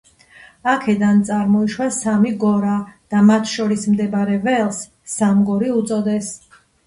აქედან წარმოიშვა სამი გორა და მათ შორის მდებარე ველს სამგორი უწოდეს.